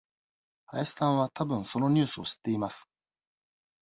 林さんはたぶんそのニュースを知っています。